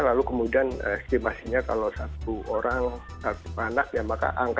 lalu kemudian estimasinya kalau satu orang satu anak ya maka angka